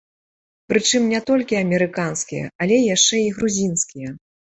Прычым не толькі амерыканскія, але яшчэ і грузінскія!